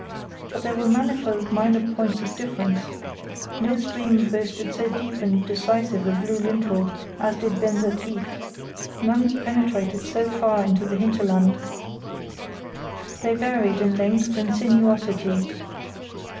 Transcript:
But there were manifold minor points of difference. No stream boasted so deep and decisive a blue lintel as did Benser Tief; none penetrated so far into the Hinterland. They varied in length and sinuosity.